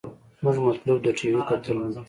زمونګه مطلوب د ټي وي کتل نه دې.